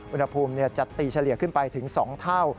อุณหภูมิจะตีเฉลี่ยขึ้นไปถึง๒เท่า